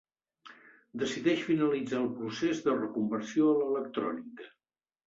Decideix finalitzar el procés de reconversió a l'electrònica.